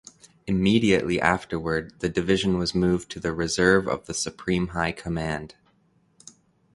Immediately afterward the division was moved to the Reserve of the Supreme High Command.